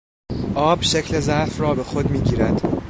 آب شکل ظرف را به خود میگیرد.